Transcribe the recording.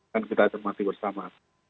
kan kita termati bersama